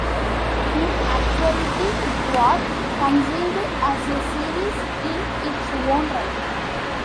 In actuality, it was conceived as a series in its own right.